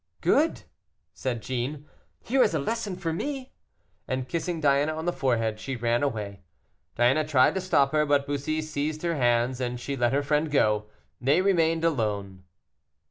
"Good!" said Jeanne, "here is a lesson for me," and kissing Diana on the forehead, she ran away. Diana tried to stop her, but Bussy seized her hands, and she let her friend go. They remained alone.